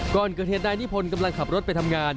ก่อนเกิดเหตุนายนิพนธ์กำลังขับรถไปทำงาน